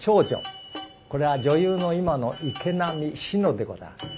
これは女優の今の池波志乃でございます。